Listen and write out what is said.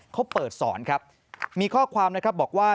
เขาเปิดสอนครับมีข้อความนะครับบอกว่า